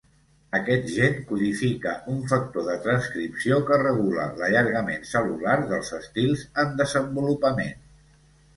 Aquest gen codifica un factor de transcripció que regula l'allargament cel·lular dels estils en desenvolupament.